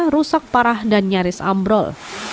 rusak parah dan nyaris ambrol